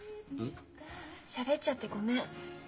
しゃべっちゃってごめん。